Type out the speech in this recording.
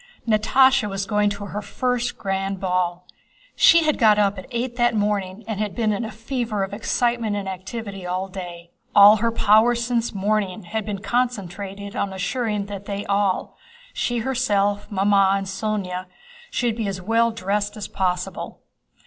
Natásha was going to her first grand ball. She had got up at eight that morning and had been in a fever of excitement and activity all day. All her powers since morning had been concentrated on ensuring that they all—she herself, Mamma, and Sónya—should be as well dressed as possible.